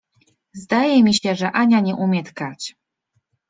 Zdaje mi się, że Ania nie umie tkać!